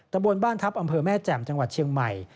บนบ้านทัพอำเภอแม่แจ่มจังหวัดเชียงใหม่